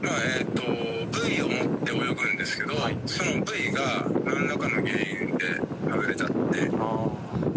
ブイを持って泳ぐんですけどそのブイが何らかの原因で流れちゃって。